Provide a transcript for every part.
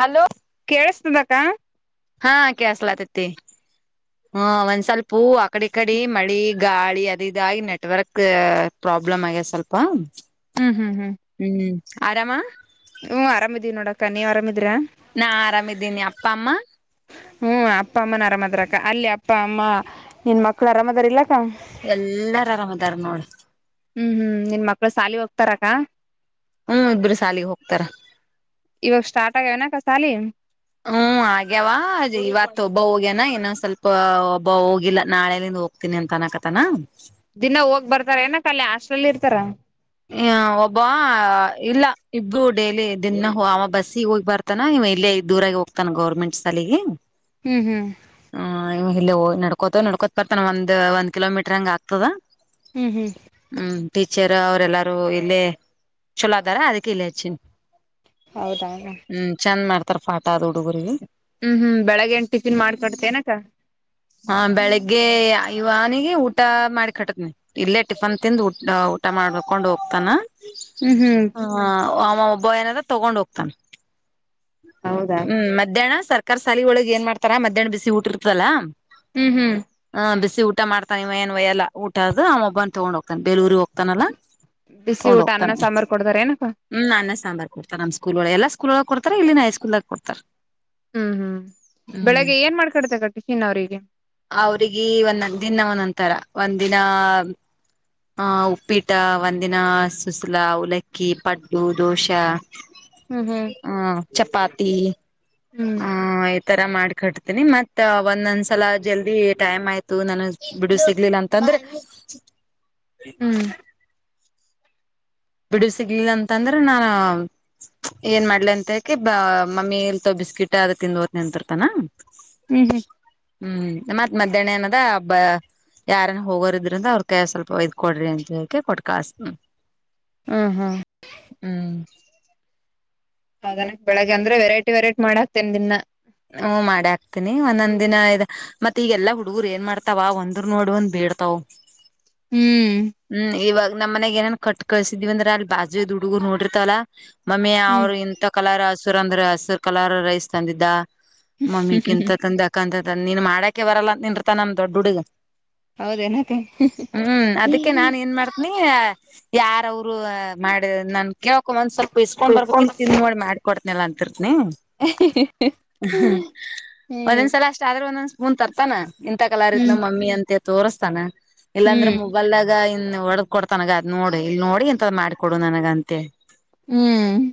Hello ಕೇಳಸ್ತದಕ್ಕ ಹಾ ಕಸ್ಲತತಿ ಹ್ಮ ಒಂದ್ ಸ್ವಲ್ಪೂ ಅಕಡಿ ಕಡಿ ಮಳಿ ಗಾಳಿ ಅದ ಇದಾಗಿ ನೆಟ್ವರ್ಕ್ ಪ್ರಾಬ್ಲಮ್ ಆಗ್ಯದ್ ಸ್ವಲ್ಪ ಹ್ಮ್ ಹ್ಮ್ ಆರಾಮ ಹ್ಮ ಆರಾಮಿದೀವಿ ನೋಡಕ್ಕ ನೀವ್ ಆರಾಮಿದ್ರ ತಮ್ಮ ಹ್ಮ್ ಅಪ್ಪ ಅಮ್ಮನ ಅರಾಮದ್ರಕ್ಕ ಅಲ್ಲಿ ಅಪ್ಪ ಅಮ್ಮ ನಿನ್ ಮಕ್ಳು ಅರಾಮದ ಇಲ್ಲಕ್ಕ. ಎಲ್ಲಾರ್ ಆರಾಮದಾರ್ ನೋಡ್ ಹ್ಮ್ ಹ್ಮ್ ನಿನ್ ಮಕ್ಳು ಸಾಲಿ ಹೋಗ್ತಾರಕ್ಕ. ಹ್ಮ್ ಇಬ್ರು ಸಾಲಿಗೆ ಹೋಗ್ತಾರ ಇವಾಗ ಸ್ಟಾರ್ಟ್ ಆಗನಾಕ ಸಾಲಿ ಹ್ಮ ಹಾಗ್ಯಾವ ಇವತ್ ಒಬ್ಬ ಹೋಗ್ಯನಾ ಇನೊ ಸ್ವಲ್ಪ ಒಬ್ಬ ಹೋಗಿಲ್ಲ ನಾಳೆಿಂದ ಹೋಗ್ತೀನಿ ಅಂತ ಅನ್ನಕತನ ದಿನ ಹೋಗ್ ಬರ್ತಾರ ಏನಕ್ಕ ಅಲ್ಲಿ [unintelligible] ಹ ಒಬ್ಬ ಇಲ್ಲ ಇಬ್ರು ಡೇಲಿ ದಿನ ಅವ ಬಸ್ಸಿಗೆ ಹೋಗಿ ಬರ್ತಾನ ನೀವ ಇಲ್ಲಿ ಇ ದೂರಾಗಿ ಹೋಗ್ತಾನ ಗೌರ್ಮೆಂಟ್ ಸಾಲಿಗಿ ಹ್ಮ್ ಹ್ಮ್ ಹ ಇಲ್ಲಿ ನಡ್ಕೋತವ ನಡ್ಕೋತ್ ಬರ್ತಾನ ಒಂದ ಒಂದ ಕಿಲೋಮೀಟರ್ ಹಂಗ ಆಗ್ತದ. ಹ್ಮ್ ಹ್ಮ್ ಹ್ಮ್ ಟೀಚರ್ ಅವ್ರಲ್ಲಾರೂ ಇಲ್ಲೇ ಚಲೋದಾರ ಅದಕ್ಕೆ ಇಲ್ಲೇ ಹಚ್ಚನ್ ಹೌದ ಪಾಟ ಆದ ಹುಡುಗರಿಗೆ ಹ್ಮ್ ಹ್ಮ್ ಬೆಳಗೆ ನ್ ಟಿಫಿನ್ ಮಾಡ್ಕೊಡ್ತೆೇನಕ್ಕ. ಹಾ ಬೆಳಿಗ್ಗೆ ಇವನಿಗೆ ಊಟ ಮಾಡಿ ಕಟ್ಟದ್ನಿ ಇಲ್ಲೇ ಟಿಫನ್ ತಿಂದು ಊಟ ಮಾಡ್ಕೊಂಡ್ ಹೋಗ್ತಾನ ಹ್ಮ್ ಹ್ಮ್ ಹ ಅವ ಒಬ್ಬ ಏನಾರ ತಗೊಂಡ್ ಹೋಗ್ತಾನ ಹೌದಾ ಹ್ಮ್ ಮಧ್ಯಾಹ್ನ ಸರ್ಕ ಸಾಲಿೊಳಗೆ ಏನ್ ಮಾಡ್ತಾರ ಮಧ್ಯಾಹ್ನ ಬಿಸಿ ಊಟಿ ಇರ್ತದಲ್ಲಾ. ಹ್ಮ್ ಹ್ಮ್ ಹ ಊಟ ಮಾಡ್ತಾನ ಇವ ನ್ವಯ ಎಲ್ಲ ಊಟ ಅ ಒೊಬ್ಬನ್ ತಗೊಂಡ ಹೋಗ್ತಾನ ಬಲೂರಿಗೆ ಹೋಗ್ತಾನಲ್ಲಾ. ಬಿಸಿ ತೊಂಡ್ ಊಟ ಹೋಗ್ತಾನ ಅನ್ನ ಸಾಂಬಾರ್ ಕೊಡ್ತಾರ ಏನಕ್ಕ ಹ್ಮ್ ನನ್ನ ಸಾಂಬಾರ್ ಕೊಡ್ತಾನ ನಮ್ಮ್ ಸ್ಕೂಲ್ ಒಳೆ ಎಲ್ಲ. ಸ್ಕೂಲ್ಗ ಕೊಡ್ತಾರೆ ಇಲ್ಲಿನ ಹೈಸ್ಕೂಲ್ದಾಗ ಕೊಡ್ತಾರೆ. ಹ್ಮ್ ಹ್ಮ್ ಬೆಳಿಗ್ಗೆ ಏನ್ ಮಾಡ್ಕಡ್ತೆ ಟಿಫಿನ್. ಅವ್ರಿಗೆ ಅವ್ರಿಿಗೆ ಒಂದ ದಿನ ಒಂದಂತರ ಒಂದ್ ದಿನ ಹ ಉಪ್ಪಿಟ ಒಂದಿನ ಸುಸಲ ಉಲಕ್ಕಿ ಪಡ್ಡು ದೋಸ ಹ್ಮ್ ಹ್ಮ್ ಹ್ಮ ಚಪಾತಿ ಹ್ಮ್ ಹ ತರ ಮಾಡ್ಕಟ್ತೀನಿ ಮತ್ತ ಒಂದಂದ. ಚಲ ಜಲ್ದಿ ಟೈಮ್ ಆಯ್ತು ನಾನಗ ಬಿಡ ಸಿಗ್ಲಿಲ್ಲ ಅಂತಂದ್ರೆ. ಹ. ಹ್ಮ್ ಬಿಡು ಸಿಗ್ಲಿಲ್ಲ ಅಂತಂದ್ರೆ ನಾ. ಏನ್ ಮಾಡ್ಲಿ ಅಂತ ಹೇಳಕಿ ಬ ಮಮ್ಮಿ ಇಲ್ತ ಬಿಸ್ಕಿಟ್ ಅದ ತಿಂದ್ ಓದ್ನ ಅಂತಿರ್ತಾನ. ಹ್ಮ್ ಹ್ಮ್. ಹ್ಮ್ ಮತ್ತ್ ಮಧ್ಯಾಹ್ನ ಎನ್ದ ಹಬ್ಬ. ಯಾರನ ಹೋಗೋರ ಇದ್ರಿಂದ ಅವ್ರ ಕೈ ಸ್ವಲ್ಪ ಒಯದ್ಕ ಕೊಡ್ರಿ ಅಂತ ಹೇಳೆ ಕೊಟ್ಟಟ್ ಕಸ. ಹ್ಮ್ ಹ್ಮ್ ಹ್ಮ್. ಅದನ ಬೆಳಗ್ ಅಂದ್ರೆ ವೆೈಟಿ ವೆರೈಟಿ ಮಾಡ ಹಾತೇನ್ ದಿನ. ಹ್ಮ ಮಾಡ ಆಕ್ತೀನಿ ಒಂದೊಂದ ದಿನ ಇ ಮತ್ತತ್ ಈಗಲ್ಲ ಹುಡುಗರು ಏನ್ ಮಾಡ್ತಾವ ಒಂದರ್ ನೋಡುವಂದ್ ಬೇ. ಬೇಡ್ತವು. ಹ್ಮ್. ನಮ್ಮ್ ಮನೆಗ್ ಏನನ್ ಕಟ್ ಕಳ್ಸಿದೀವಿಂದ್ರೆ ಅಲ್ಲಿ ಬಾಜು ಹಡುಗುರು ನೋಡಿರ್ತವಲ್ಲ. ಮಮ್ಮಿ ಹ್ಮ್ ಅವರು ಇಂಂತ ಕಲರ್ ಹಸುರ ಅಂದ್ರೆ ಹಸುರು ಕಲರ್ ರೈಸ್ ತಂದಿದ್ದ ಮಮ್ಮಿ ಕಿಂತ ತಂದ ಅಕ್ಕಂತಂದ ನೀನ್ ಮಾಡಾಕೆ ಬರಲ್ಲ ನಿನ್ತ ನಮ್ ದೊಡ್ಡ ಹುಡಗ. ಹೌದೇನಕ. ಅದಕ್ಕೆ ನಾನ್ ಏನ್ ಮಾಡ್ತನಿ ಯಾರ ಅವ್ರು ಮಾಡ ನನ್. ಕೇಳೋಕ್ ಒಂದ್ ಸ್ವಲ್ಪ ಇಸ್ಕೊಂಡ ಹ್ಮ್ ಬರ್ಬೇಕ್ ಇಲ್ ತಿಂದ ನೋಡಿ ಮಾಡಕಡ್ತನಲ್ಲ ಅಂತ. ಹ. ಹ್ಮ್ ಒಂದೊಂದ್ ಸಲ ಅಷ್ಟ ಆದ್ರೆ ಒಂದೊಂದ್ ಸ್ಪೂನ್ ತರ್ತಾನ ಇಂತ ಕಲರಿದ್ ನ ಹ್ಮ್ ಮಮ್ಮಿ ಅಂತ. ತೋರ್ಸ್ತಾನ ಇಲ್ಲಾಂದ್ರೆ ಹ್ಮ್ ಮೊಬಾಲ್ದಾಗ. ಒಡದ ಕೊಡ್ತನಗ ಅದ್ ನೋಡಿ ಇಲ್ಲಿ ನೋಡಿ ಇಂತದ ಮಾಡ್ಕೊಡು ನನಗ ಅಂತೆ. ಹ್ಮ್.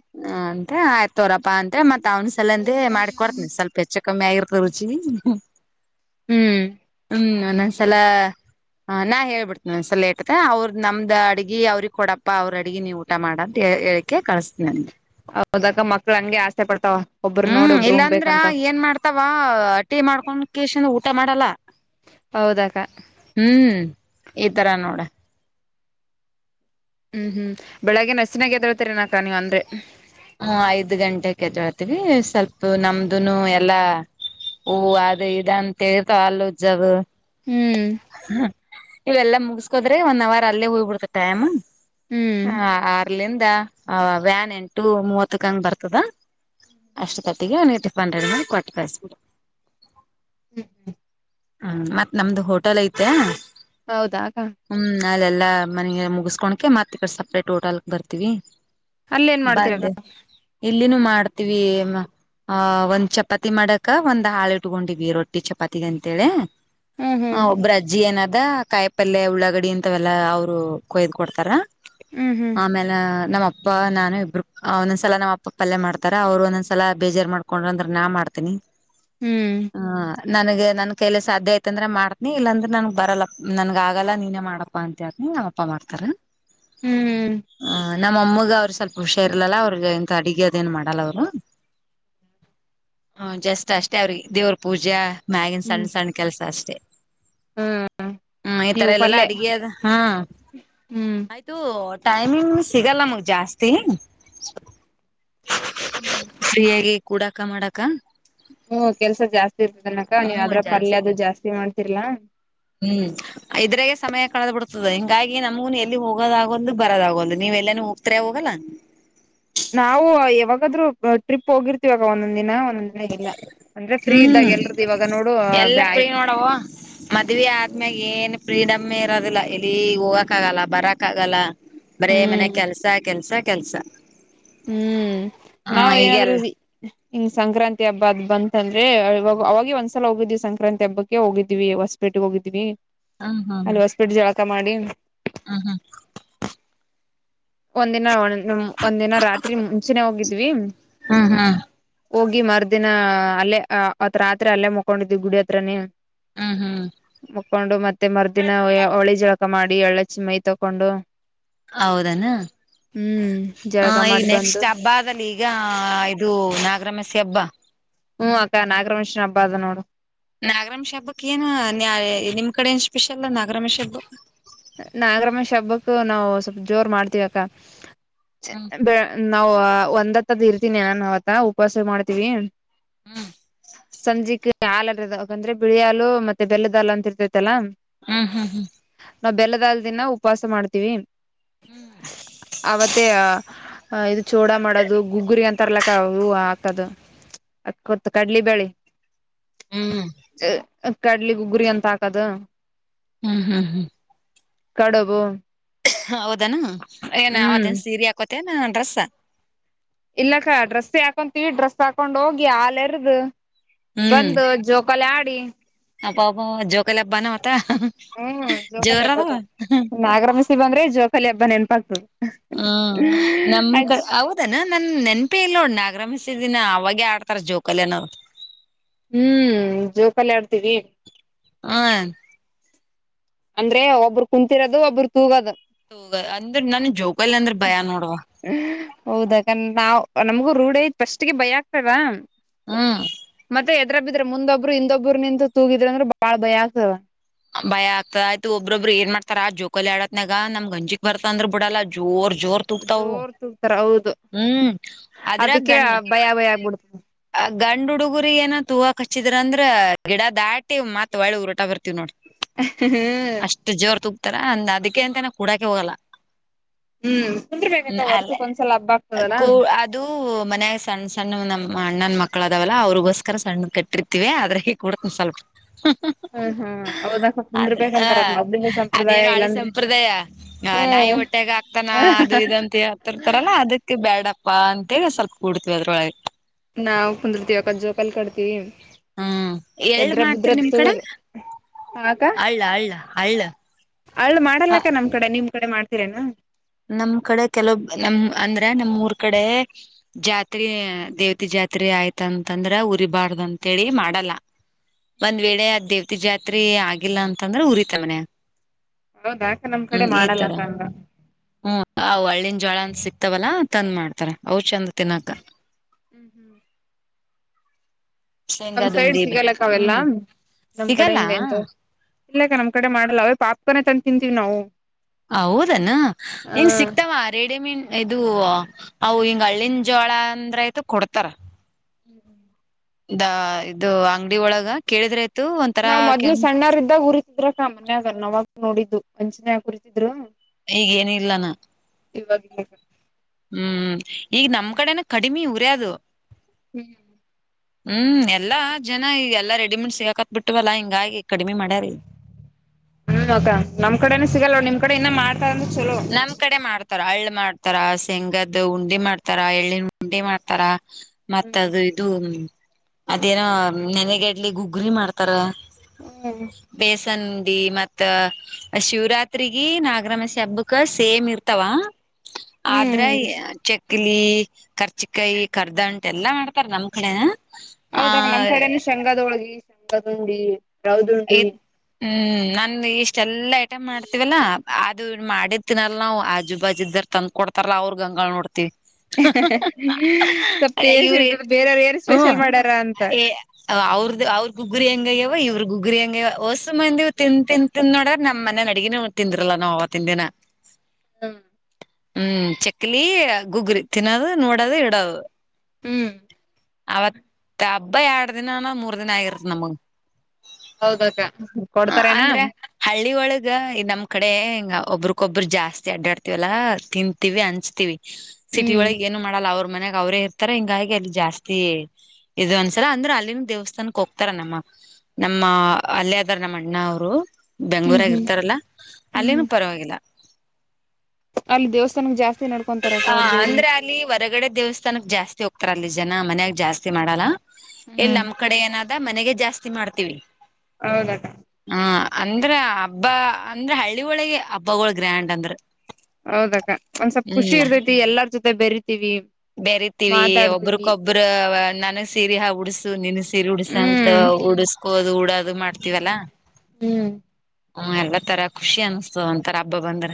ಮತ್ತ ಆಯ್ತ ತೋರಪ್ಪ ಅಂತ ಹೇಳಿ ಮತ್ತತ್ ಅವ್ ಸಲಂದೇ ಮಾಡ್ಿಕ ಕೊಡ್ತನಿ ಸ್ವಲ್ಪ ಹೆಚ್ಚು ಕಮ್ಮಿ ಆಗಿರ್ತ ರುಚಿ. ಹ್ಮ್. ಹ್ಮ್ ಒಂದೊಂದ್ಸಲ. ಹ ನಾ ಹೇಳ್ಬಿಡ್ತೇನೆಸಲೇಟ್ತೆ ಅವ್ರ ನಮ್ದ್ ಅಡಗಿ ಅವ್ರಿಗೆ ಕೊಡಪ್ಪ ಅವ್ರ ಅಡಿಗೆ ನೀವು ಊಟ ಮಾಡ ಅಂತ ಹೇಳಿ. ಹೇಳಕ್ಕೆ ಕಳಿಸ್ತೀನಗೆ. ಹೌದಕ್ಕ ಮಕ್ಳು ಹಂಗೆ ಆಸೆ ಪಡ್ತಾವ. ಒಬ್ಬ್ರ ನೋಡಿ ಹ್ಮ್ ಒಬ್ರು ಇಲ್ಲಾಂದ್ರ ಉಣ್ಬೇಕಂತ ಏನ್ ಮಾಡ್ತಾವ ಹಟಿ ಮಾಡ್ಕೊಂಡ್ ಕಶನ್ ಊಟ ಮಾಡಲ್ಲ. ಹೌದಕ್ಕ ಹ್ಮ್ ಈ ತರ ನೋಡ. ಹ್ಮ್ ಹ್ಮ್ ಬೆಳಿಗ್ಗೆ ನಸಿನಾಗ ಎದಳ್ತರಿ ನಕ ನೀವ ಅಂದ್ರೆ. ಹ್ಮ ಐದ್ ಗಂಟೆಕ ಎದ್ದೇಳ್ತೀವಿ ಸ್ವಲ್ಪ ನಮ್ದನು ಎಲ್ಲಾ. ಹೂ ಅದ ಇದು ಅಂತೇಳ್ತ ಹಲ್ಲು ಉಜ್ಜದು. ಹ್ಮ್ ಇವೆಲ್ಲಾ ಮುಗಸ್ಕೋದ್ರೆ ಒನ್ ಅವರ್ ಅಲ್ಲೇ ಹೋಗ್ಬಿಡ್ತ ಟೈಮ್. ಹ್ಮ್ ಹ ಆರ್ಲಿಂದ ಆ ವ್ಯಾನ್ ಎಂಟು ಮೂವತ್ತಕ್ಕಂಗ ಬರ್ತದ. ಅಷ್ಟು ಕಟ್ಟಿಗೆ ನೀ ಟಿಫನ್ ರೆಡಿ ಮಾಡಿ ಕೊಟ್ಟ ಕಳ್ಸಬಿಡಿ. ಹ್ಮ್ ಹ್ಮ್. ಹ್ಮ ಮತ್ತ್ ನಮ್ದು ಹೋಟೆಲ್ ಐತ. ಹೌದಾ ಕ. ಅಲ್ಲೇಲ್ಲಾ ಮನಿ ಗಿನಿ ಮುಗಿಸಸ್ಕೋಕೆ ಮತ್ತೆ ಕಡೆ ಸಪ್ರೇಟ್ ಹೊಟಲ್ ಬರ್ತೀವಿ. ಅಲ್ಲ ಏನ್ ಬಂದ ಮಾಡ್ತೀರಕ್ಕ ಇಲ್ಲಿನ ಮಾಡ್ತ. ವಿ ಒಂದ್ ಚಪಾತಿ ಮಾಡಕ ಒಂದ್ ಹಾಳ ಇಟ್ಕೊಂಡಿವವಿ ರೊಟ್ಟಿ ಚಪಾತಿಗೆಂತ. ಹೇಳ ಹ್ಮ್ ಹ್ಮ್ ಹ ಒಬ್ಬ್ರಜ್ಜಿ ಏನ. ಅ ಕಾಯಿ ಪಲ್ಯ ಉಳ್ಳಾಗಡಿ ಅಂತವೆೆಲ್ಲಾ ಅವ್ರು ಕೊಯ್ದ್ ಕೊಡ್ತಾರ. ಹ್ಮ್ ಹ್ಮ್ ಆಮೇಲೆ ನಮ್ಮ ಅಪ್ಪ. ನಾನು ಇಬ್ರು ಒಂದೊಂದ್ಸಲ ನಮ್ಮ ಅಪ್ಪ ಪಲ್ಲೆ ಮಾಡ್ತಾರ ಅವ್ರು ಒಂದೊಂದ್ಸಲ ಬೇಜಾರು ಮಾಡ್ಕೊಂಡ್ರರು ಅಂದ್ರ ನಾ ಮಾಡ್ತೀನಿ. ಹ್ಮ್. ಹ ನನಗೆ ನನ್. ಕೈಲ ಸಾಧ್ಯ ಆಯತಂದ್ರೆ ಮಾಡ್ತನಿ ಇಲ್ಲಾಂದ್ರೆ ನನ್ಗ್ ಬರಲ್ಲ ನನ್ಗ ಆಗಲ್ಲ ನೀನೇ ಮಾಡಪ್ಪಾ ಅಂತ ಹೇಳ್ನಿ ನಮ್ಮಪ್ಪಾ ಮಾಡ್ತಾರ ಹ್ಮ್ ಹ್ಮ್ ಹ ನಮ್ಮ ಅಮ್ಮಗ ಅವ್ರರು ಸ್ವಲ್ಪ ಹುಷಾರರ್ಲಲ್ಲ ಅವ್ರಗ ಎಂತ ಅಡಗೆ ಅದೇಏನ್ ಮಾಡಲ್ಲ ಅವ್ರು ಹ ಜಸ್ಟ್ ಅಷ್ಟೇ ಅವ್ರಿಗೆ ದೇವ್ರ ಪೂಜೆ ಮ್ಯಾಗಿನ್ ಹ್ಮ್ ಸಣ್ಣ ಸಣ್ಣ ಕೆಲ್ಸ ಅಷ್ಟೇ ಹ್ಮ್ ಹ್ಮ ಈ ತರ ನೀವು ಎಲ್ಲೆಲ್ಲಾ ಪಲ್ಲೆ ಅಡಗೆದ ಹಾ ಹ್ಮ್ ಆಯ್ತು ಟೈಮಿಂಗ್ ಸಿಗಲ್ಲ ನಮಗ್ ಜಾಸ್ತಿ ಹ್ಮ್ ಫ್ರೀಯಾಗಿ ಕೂಡಾಕ ಮಾಡಾಕ ಹ್ಮ್ ಕೆಲ್ಸ ಜಾಸ್ತಿ ಇರ್ತದನಕ ನೀವ್ ಅದ್ರ ಪಲ್ಲ್ಯ ಅದು ಜಾಸ್ತಿ ಮಾಡ್ತಿರ್ಲಾ ಹ್ಮ್ ಇದ್ರಾಗ ಸಮಯ ಕಳೆದ ಬಿಡ್ತದೆ ಹಿಂಗಾಗಿ ನಮ್ಗೂನು ಎಲ್ಲಿ ಹೋಗೋದಾಗೊಂದು ಬರೋದಾಗೋದು ನೀ ನೀ ಎಲ್ಲನು ಹೋಗ್ತಾರೆ ಹೋಗಲ್ಲ ನಾವು ಯಾವಾಗಾದ್ರೂ ಟ್ರಿಪ್ ಹೋಗಿರ್ತಿವ ಒಂದೊಂದ್ ದಿನ ಒಂದೊಂದ ಲ್ಲ ಅಂದ್ರೆ ಫ್ರೀ ಇದ್ದಾಗ ಹ್ಮ್ ಎಲ್ರದದು ಇವಾಗ ನೋಡು ಬ್ಯಾಯ ಮದ್ವೆ ಆದ್ಮ್ಯಾಗ ಏನ್ ಫ್ರೀಡಮ ಇರೋದಿಲ್ಲ ಇಲ್ಲಿ ಹೋಗಕ್ ಆಗಲ್ಲ ಬರಕ್ ಆಗಲ್ಲ ಬರೇ ಮನೆ ಹ್ಮ್ ಕೆಲ್ಸ ಕೆಲ್ಸ ಕೆಲ್ಸ ಹ್ಮ್ ಹ ನಾವ್ ಏನಾದ್ರೂ ಈಗೆಲ್ಲ ಹಿಂಗ ಸಂಕ್ರಾತಿ ಹಬ್ಬ ಅದ್ ಬಂತಂದ್ರೆವಾಗ ಅವಾಗ ಒಂದ್ಸಲ ಹೋಗಿದೀವಿ ಸಂಕ್ರಾಂತಿ ಹಬ್ಬಕ್ಕೆ ಹೋಗಿದೀವಿ ಹೊಸ್ಪೇ ಬಟ್ಟಿಗೆ ಹೋಗಿದ್ದೀನಿ ಹಾ ಹಾ ಹಾ ಕ್ಕ ಮಾಡಿ ಹ ಹ ಒಂದಿನ ಒ ಒಂದಿನ ರಾತ್ರಿ ಮುಂಚೆನೆೇ ಹೋಗಿದ್ವಿ ಹ್ಮ್ ಹಾ ಹೋಗಿ ಮರ್ದಿನ ಅಲ್ಲೇ ಅತ್ ರಾತ್ರಿ ಅಲ್ಲೇ ಮುಕೊಂಡಿದವಿ ಗುಡಿ ಹತ್ರನೇ ಹ್ಮ್ ಹ್ಮ್ ತಕೊಂಡು ಮತ್ತೆ ಮರುದಿನಳಿ ಜಳಕ ಮಾಡಿ ಎಳ್ಳ ಚ ಮೈ ತಕೊಂಡು ಹೌದನಾ ಹ್ಮ್ ಜಾಳ ಹ ಈ ನೆಕ್ಸ್ಟ್ ಹಬ್ಬ ಅದಲ್ಲಿ ಈಗ ಇದು ನಾಗರಾಮಸಿ ಹಬ್ಬ ಹ್ಮ್ ಅಕ್ಕ ನಾಗರಮೇಶನ ಹಬ್ಬ ಅದ ನೋಡು ನಾಗರಮಸಿ ಹಬ್ಬಕ್ ಏನ ನಿಮ್ ಕಡೆ ಸ್ಪೆಷಲ್ ನಾಗರಾಮೇಶ ಹಬ್ಬ ನಾಗರಾಮಶಿ ಹಬ್ಬಕ್ಕೂ ನಾವು ಸ್ವಲ್ಪ ಜೋರ್ ಮಾಡ್ತೀವಿ, ಅಕ್ಕ ಹ್ಮ್ ನಾವು ಒಂದ್ ಹತ್ತದ ಇರ್ತೀನಿ ನಾನವತ್ತು ಉಪವಾಸ ಮಾಡ್ತೀವಿ ಸಂಜಕ್ ಹಾಲರದಕಂದ್ರೆ ಬಿಳಿ ಹಾಲು ಮತ್ತೆ ಬೆಲ್ಲದಾ ಅಂತ ಇರ್ತೈತಲ್ಲಾ ಹ್ಮ್ ಹ್ಮ್ ಹ್ಮ್ ನಾವು ಬೆಲ್ಲದಾಲ ದಿನ ಉಪವಾಸ ಮಾಡ್ತೀವಿ ಹ್ಮ್ ಅವತ್ತೇ ಇದು ಚೋಡ ಮಾಡೋದು ಗುಗ್ಗುರಿ ಅಂತರ್ಲಕ ಅವು ದು ಅತ್ ಕೊಡ್ಲಿ ಬೆಳೆ ಹ್ಮ್ ಕಡ್ಲಿ ಗಗ್ಗುರಿ ಅಂತ ಹಾಕದು ಹ್ಮ್ ಹ್ಮ್ ಹ್ಮ್ ಕಡಬು ಹೌದಾನ ಏನ್ ಹ್ಮ್ ಅವದನ್ ಸೀರೆ ಹಾಕೋತೇ ನ ಡ್ರೆಸ್ ಇಲ್ಲಕ್ಕ ಡ್ರೆಸ್ಸ ಹಾಕೊಂತೀವಿ ಡ್ರೆಸ್ ಹಾಕೊಂಡ್ ಹೋಗಿ ಹಾಲ ಎರದು ಬಂದು ಜೋಕಲೆ ಆಡಿ ಅಪಪ ಜೋಕಲ ಹಬ್ಬಾನ ಆಟ ಹ್ಮ್ ಜೋರದ ಸಿವಂಗ್ರೆ ಜೋಕಾಲಿ ಹಬ್ಬ ನೆನಪಾತು ಹ್ಮ್ ನಮಕ ಹೌದನಾ ನನ್ ನೆನ್ಪಿ ಇಲ್ ನೋಡ ನಾಗರಮಶಿ ದಿನ ಅವಾಗೇ ಆಡ್ತಾರ ಜೋಕಲ್ಯ ನವು ಹ್ಮ್ ಜೋಕಲ್ಲಿ ಆಡ್ತೀವಿ ಹ ಅಂದ್ರೆ ಒಬ್ರು ಕುಂತಿರೋದು ಒಬ್ಬರು ತೂಗೋದು ಅಂದ್ರ ನನ್ ಜೋಕಾಲಿ ಅಂದ್ರ ಭಯ ನೋಡುವ ಹೌದಕಂದ ನಾ್ ನಮಗೂ ರೂಢ ಐತ್ ಫಸ್ಟ್ಗೆ ಭಯ ಆಗ್ತದ ಹಾ ಮತ್ತೆ ಎದ್ರ ಬಿದ್ರೆ ಮುಂದೊಬ್ರು ಇೊಬ್ಬರು ನಿಂತ ತೂಗಿದ್ರಂದ್ರ ಬಾಳ ಭಯ ಆಗ್ತವ ಭಯ ಆಗ್ತಾ ಆಯ್ತು ಒಬ್ಬೊಬ್ರು ಏನ್ ಮಾಡ್ತಾರ ಆ ಜೋಕೋಲಿ ಆಡದನಾಗ ನಮ್ ಗಂಜಿಕ್ ಬರ್ತಂದ್ರ ಬಿಡಲ್ಲ ಜೋರ್ ಜೋರ್ ತೂಕ್ತಾವ ಜೋರ್ ತೂಗ್ತಾರ ಹೌದು ಹ್ಮ್ ಅದ್ರಾಗ ಅದಕ್ಕೆ ಗಂಡ ಭಯ ಭಯ ಆಗ್ಬಿಡ್ತದ ಗಂಡ್ ಹುಡುಗುರಿಗೆ ಏನ ತೂ ಕಚ್ಚಿದ್ರ ಅಂದ್ರ ಗಿಡ ದಾಟಿ ಮತ್ ಒಳ್ಳೆ ಉಊರಟ ಬರ್ತವ್ ನೋಡ ಅಷ್ಟ ಜೋರ್ ತುಕ್ತಾರ ಅಂದ ಅದಕ್ಕೆ ಅಂತನ ಕೂಡಕೆ ಹೋಗಲ್ಲ ಹ್ಮ್ ಹ್ಮ ಕುಂದರ್ಬೇಕಕ್ಕ ಅಲ್ಲ ವರ್ಷಕ್ ಒಂದ್ಸಲ ಹಬ್ಬ ಆಗ್ತದಲ್ಲ ಕೂ ಅದುೂ ಮನ್ಯಾಗ ಸಣ್ಣ ಸಣ್ಣ ನಮ ಅಣ್ಣನ್ ಮಕ್ಕಳ ಅದಾವಲ್ಲ ಅವ್ರಿಗೋಸ್ಕರ ಸಣ್ಣ ಕಟ್ಟಿರ್ತಿೀವಿ ಆದ್ರೆ ಹ ಕೊಡ್ತನ ಸ್ವಲ್ಪ ಹ್ಮ್ ಹ್ಮ್ ಹೌದಕ್ಕ ಆದ್ರೆ ಹ ಕುಂದರ್ಬೇಕಂತಾರ ಅದ್ ಮೊದ್ಲಿಂದ ಸಂಪ್ರದಾಯ ಅದೇನು ಹಳಿ ಇಲ್ಲಾಂದ್ರ ಸಂಪ್ರದಾಯ ನಾಯಿ ಹೊಟ್ಟೆಾಗ ಆಗ್ತಾನ ಅದು ಇ ಂತ ಹತರ್ತಾರಲ್ಲ ಅದಕ್ಕೆ ಬೇಡಪ್ಪಾ ಅಂತೇಳ ಸ್ವಲ್ಪ ಕೂಡ್ತಿವಿ ಅದ್ರೊಳಗೆ ನಾವು ಕುಂದರ್ತಿೀವಕ್ ಜೋ ಕಲ್ ಕಾತಿೀವಿ ಹ್ಮ್ ಎಳ್ಳ ಎದ್ರಭದ್ರತ್ತು ಅದೆ ಅಳ್ಳ ಅಳ್ಳಳ್ಳ ಅಳ್ಳ ಅಳ್ಳು ಮಾಡಲ್ಲಕ್ಕ ನಮ್ ಕಡೆ ನಿಮ್ ಕಡೆ ಮಾಡ್ತೀರೇನಾ ನಮ್ ಕಡೆ ಕೆಲೊ ನಮ ಅಂದ್ರೆ ನಮ್ಮ್ ಊರ್ ಕಡೆ ಜಾತ್ ದೇವತೆ ಜಾ ಜಾತ್ರಿ ಆಯ್ತ ಅಂತಂದ್ರ ಉರಿಬಾರ್ದ ಅಂತೇಳಿ ಮಾಡಲ್ಲ ಒಂದ್ ವೇಳೆ ಅದ್ ದೇವತೆ ಜಾತ್ರೆ ಆಗಿಲ್ಲ ಅಂತಂದ್ರೆ ಉರಿತ ಮನ ಹೌದಾಕ ನಮ್ ಕಡೆ ಮಾಡಲ್ಲಲ್ಲ ಹ್ಮ ಹಳ್ಳಿನ ಜೋಳ ಅಂತ ಸಿಕ್ತವಲ್ಲಾ ತಂದ್ ಮಾಡ್ತಾರ ಅವ್ ಚಂದ ತಿನ್ನಾಕ. ಹ್ಮ್ ಹ್ಮ್ ನಮ ಸೈಡ್ ಶೇಂಗಾದುಂಡಿ ಬೆ ಸಿಗಲಕ್ಕ ಅವೆಲ್ಲ ಹ್ಮ್ ನಮ್ ಕಡೆ ಸಿಗಲ್ಲ ಹಿಂಗ ಎಂತ ಇಲ್ಲಕ್ಕ ನಮ್ ಕಡೆ ಮಾಡಲ್ಲ ಅವೇ ಪಾಪ್ಕನೆೇ ತಂದ ತಿಂತೀವಿ ನಾವು ಹ ಹೌದನ ಹ ಹಂಗ ಸಿಕ್ತಾವ ಆ ರಡೆ ಮೀನ್ ಇದು ಅವು ಹಿಂಗ ಹಳ್ಳನ್ ಜೋಳ ಅಂದ್ರ ಆಯ್ತು ಕೊಡ್ತಾರ ಹ್ಮ್ ಹ್ಮ್ ಇದು ಅಂಗಡಿ ಒಳಗ ಕೇಳಿದ್ರೆತ ನಾವ್ ಮೊದ್ಲು ಸಣ್ಣಾರ ಇದ್ದಾಗ ಉರಿತಿದ್ರಕ್ಕ ಮನ್ಯಾಗ ನವಾಗ ನೋಡಿದ್ದು ಅಂಚಿನನ್ ಕುರಿತಿದ್ರು ಈಗೇನ ಇಲ್ಲಾನ ಇವಾಗಿಲ್ಲ ಒಬದು ಹ್ಮ್ ಹ್ಮ್ ಎಲ್ಲಾ ಜನ ಈ ಎಲ್ಲಾ ರೆಡಿಮೇಂಡ ಸಿಗಕತ್ ಬಿಟ್ಟವಲ್ಲಾ ಹಿಂಗಾಗಿಿ ಕಡಿ್ಮೆ ಮಾಡ್ಯಾರಿ ಹ್ಮ ನಮ್ ಕಡೆನ ಸಿಗಲ್ಲೋ ನಿಮ್ ಕಡೆ ಇನ್ನ ಮಾಡ ನಮ್ ಕಡೆ ಮಾಡ್ತಾರ ಹಳ್ಳ ಮಾಡ್ತಾರ ಶಂಗದ್ ಉಂಡಿ ಮಾಡ್ತಾರಾ ಎಳ್ಳಿನ ಉಂಡಿ ಮಾಡ್ತಾರಾ ಮತ್ತ ಹ್ಮ್ ಅದು ಇದು ಅದೇನ ನೆನೆಗಡ್ಲಿ ಗುಗ್ಗರಿಿ ಮಾಡ್ತಾರ ಹ್ಮ್ ಂಡಿ ಮತ್ತ ಶಿವರಾತ್ಗ ನಾಗರಮಸೆ ಹಬ್ಬ ಚ ಸೇಮ್ ಇರ್ತಾವ ಆದ್ರ ಹ್ಮ್ ಚ ಹಕ್ಕಿಲಿ ಕರ್ಚಿಕಾಯಿ ಕರ್ದ ಉಂಟ ಎಲ್ಲಾ ಮಾಡ್ತಾರ ನಮ್ ಕಡೆ ಹೌದಕ ನಮ್ಮ್ ಕಡೆನು ಶಂಗದೊಳಗಿ ಶಂಗದುಂಡಿ ರವದುುಂಡಿ ಐತ್ ಹ್ಮ್ ನನ್ ಇಷ್ಟೆಲ್ಲಾ ಐಟಮ್ ಮಾಡ್ತೀವಲ್ಲಾ ಅದು ಮಾಡಿದ ತಿಿನಲ್ ನಾವು ಆಜು ಬಾಜ ಇದ್ದರ್ ತಂದ್ ಕೊಡ್ತಾರ ಅವ್ರಗ್ ಗಂಗಾಗಳ ನೋಡ್ತಿವಿ ಸ್ವಲ್ ಟೇಸ್ಟ್ ಇವ್ರಿ ಇರ್ತದೆ ಬೇರಾರ ಏನ್ ಸ್ಪೆಷಲ್ ಮಾಡ್ಯಾರ ಅಂತ ಅವ್ರದ್ದ ಅವ್ರ ಕುಗ್ಗುರಿ ಹೆಂಗಯ್ಯವ ಇವ್ರ ಗುಗ್ರಿ ಹಂಗೆ ಹೊಸು ಮಂದಿವು ತಿಂದ ತಿಂದ ತಿನ್ ನೋಡ ನಮ್ ಮನ್ಯಾಗಿನ ಅಡಗಿನ ತಿಂದ್ರಲ್ಲಾ ನಾವ್ ಅವತ್ತಿಂದಿನ ಹ್ಮ್ ಹ್ಮ್ ಚಕ್ಲಿ ಗುಗ್ಗರಿ ತಿನ್ನೋದು ನೋಡದು ಇಡೋದು ಹ್ಮ್ ಅವತ್ ಹಬ್ಬ ಎರಡು ದಿನನ ಮೂರ್ ದಿನ ಆಗಿರ್ತ್ ನಮಗ್ ಹೌದ ಅಂದ್ರೆ ಹಳ್ಳಿ ಒಳಗ ನಮ ಆ ಕಡೆ ಹ ಒಬ್ರಗೊಬ್ರು ಜಾಸ್ತಿ ಅಡ್ಡಾಡ್ತಿವಲ್ಲಾ ತಿಂತೀವಿ ಅನ್ಚ್ತಿವಿ ಸಿಟಿ ಹ್ಮ್ ಒಳಗೆ ಏನು ಮಾಡಲ್ಲ ಅವ್ರ ಮನೆಾಗ ಅವ್ರೇ ಇರ್ತಾರ ಹಿಂಗಾಗಿ ಅಲ್ಲಿ ಜಾಸ್ತಿ ಇದು ಅಂದಸಲ ಅಂದ್ರೆ ಅಲ್ಲಿನ ದೇವಸ್ಥಾನಕ್ ಹೋಗ್ತಾರ ನಮ್ಮ ನಮ್ಮ ಅಲ್ಲೇ ಅ್ರ ನಮ್ಮ ಅಣ್ಣ ಅವರು ಹ್ಮ್ ಬೆಂಗ್ಳೂರಾಗಿ ಹ್ಮ್ ಇರ್ತಾರಲ್ಲ ಹ್ಮ್ ಅಲ್ಲಿನೂ ಹ್ಮ್ ಪರವಾಗಿಲ್ಲ ಅಲ್ಲಿ ದೇವಸ್ಥಾನಕ್ ಜಾಸ್ತಿ ನಡ್ಕೊಂತಾರಕ್ಕ ಹ ಅವ್ರ ದೇವ್ರಿ ಅಂದ್ರೆ ಅಲ್ಲಿ ಹೊರಗಡೆ ದೇವಸ್ಥಾನಕ್ ಜಾಸ್ತಿ ಹೋಗ್ತಾ ತ್ರಲ್ಲಿ ಜನ ಮನ್ಯಾಗ ಜಾಸ್ತಿ ಮಾಡಲ್ಲ ಇಲ್ಲಿ ಹ್ಮ್ ನಮ್ಮ್ ಕಡೆ ಏನಾದ ಮನೆಗೆ ಜಾಸ್ತಿ ಮಾಡ್ತೀವಿ ಹೌದಕ್ಕ ಹ ಅಂದ್ರ ಹಬ್ಬ ಅಂದ್ರ ಹಳ್ಳಿಳಗೆ ಹಬ್ಬಗಳ ಗ್ರ್ಯಾಂಡ್ ಅಂದ್ರ ಹೌದಕ್ಕ ಒಂದ ಸ್ವಲ್ಪ ಖುಷಿ ಇರ್ತೈತಿ ಎಲ್ಲರ ಜೊತೆ ಬೇರಿ ಬೇರತೀವಿ ಒಬ್ರಕೊಬ್ಬರು ನನಗ್ ಸೀರೆ ಉಡ್ಸು ನೀನಗ ಸೀರೆ ಉಡ್ಸಂತ ಹ್ಮ್ ಉಡ್ಸ್ಕೋದು ಉಡೋದು ಮಾಡ್ತೀವಲ್ಲಾ ಹ್ಮ್ ಹ್ಮ ಎಲ್ಲ ತರ ಖುಷಿ ಅನ್ಸತ ಒಂತರ ಹಬ್ಬ ಬಂದ್ರ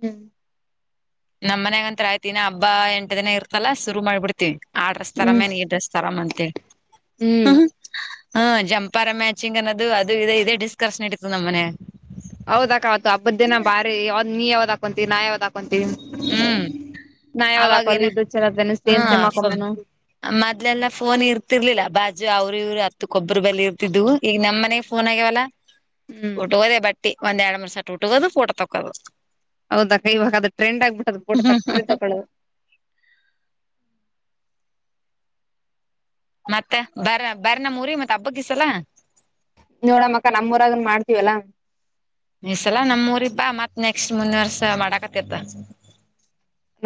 ಹ್ಮ್ ನಮ್ಮ್ ಮನ್ಯಾಗಂತ ಆಯ್ತಿನ ಹಬ್ಬ ಎಂಟ ದಿನ ಇರ್ತಲ್ಲಾ ಶುರು ಮಾಡ್ಬಿಡ್ತ ಆ ಡ್ರಸ್ ಹ್ಮ್ ತರಾಮೇನ್ ಈಡ್ರೆಸ್ ತೊರಾಮ ಅಂತ ಹ್ಮ್ ಹ್ಮ ಜಂಪಾರ ಮ್ಯಾಚಿಂಗ್ ಅನ್ನೋದು ಅದು ಇ ಇದೇ ಡಿಸ್ಕರ್ನ್ ನಡಿತ ನಮ್ಮ ಮನ್ಯಾಗ ಹೌದಾಕ್ಕ ಅವತ್ತು ಹಬ್ಬದ್ದೀನ ಬಾರಿ ಅವ್ ನೀ ಯಾವ್ದ ಹಾಕೊಂತೀರಿ ನಾ ಯಾವ್ದ ಹಾಕೊಂತೀ ಹ್ಮ್ ನಾ ಯಾವ್ದ ಅವಾಗೇನ ಹಾಕೋಲ್ಲೀ ಇದು ಚೆಂದನ್ನನೆ ಸೇಮ್ ಸೇಮ್ ಹಾಕೊಂಬ ಎನು ಮದ್ಲೆಲ್ಲಾ ಫೋನ್ ಇರ್ತಿರ್ಲಿಲ್ಲ ಬ ಅಜ್ಜ ಅವರು ಇವ್ರು ಹತ್ತಕ್ಕೊಬ್ಬರ ಬಳಿ ಇರ್ತಿದ್ದ್ ಈಗ ನಮ್ಮ್ ಮನೆಗೆ ಫೋನ್ ಆಗ್ಯವಲ್ಲ ಹ್ಮ್ ಉಟ್ಟ ಹೋದೆ ಬ್ಯಾಡ ಒಂದ ಎರಡು ಮೂರು ಸಟ್ಕೊಳೋದು ಫೊಟೋ ತಕೋಳೊದು. ಹೌದ ಅಕ್ಕ ಇವಾಗ ಅದು ಟ್ರೆಂಡ್ ಆಗ್ಬಿಟ್ಟದ ಫೋಟೋ ತಕ್ಕೊಳೋದು ತಕೊಳ್ಳೊದು ಮತ್ತೆ ಬರ ಬರ್ ನ ಊರಿ ಮತ್ತೆ ಹಬ್ಬಕ್ಕೀಸಲ್ಲ ನೋಡ ಮಕ್ಕ ನಮ್ಮೂರಾಗನ್ ಮಾಡ್ತೀವಲ್ಲಾ ಈ ಸಲಾ ನಮ್ಮೂರಿಗೆ ಬಾ ಮತ್ತ್ ನೆಕ್ಸ್ಟ್ ಮುಂದಿನ ವರ್ಷ ಮಾಡಾಕತ್ತ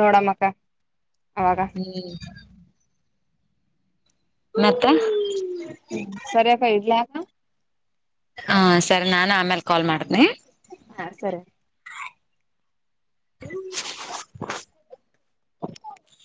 ನೋಡಮ್ಮಕ್ಕ ಅವಾಗ ಹ್ಮ್ ಮತ್ತೆ ಹ್ಮ ಸರಿಯಕಾ ಇಡ್ಲಾ ಹಾ ಸರಿ ನಾನ ಆಮೇಲ್ ಕಾಲ್ ಮಾಡ್ದನಿ ಹಾ ಸರಿ ಹ್ಮ